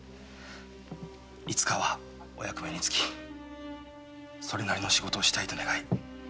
いつかはお役目に就きそれなりの仕事をしたいと願い